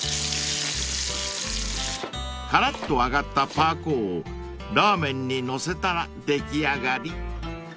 ［カラッと揚がったパーコーをラーメンに載せたら出来上がり］